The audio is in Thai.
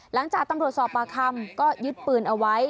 หลังจากตำรวจสอบปากคำก็ยึดปืนเอาไว้